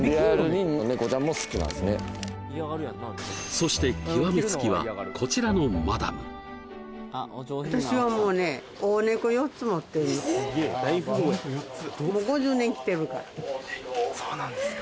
そして極め付きはこちらのマダム私はもうねえっそうなんですか？